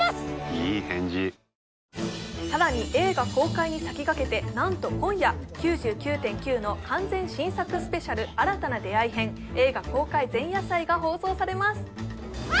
いい返事さらに映画公開に先駆けて何と今夜「９９．９」の完全新作ＳＰ新たな出会い篇映画公開前夜祭が放送されます